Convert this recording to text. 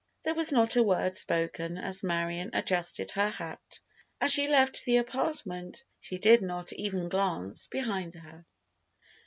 There was not a word spoken as Marion adjusted her hat. As she left the apartment she did not even glance behind her.